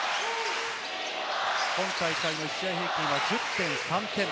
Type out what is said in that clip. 今大会の１試合平均は１０．３点。